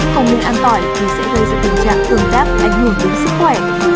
không nên ăn tỏi thì sẽ gây ra tình trạng tương tác ảnh hưởng đến sức khỏe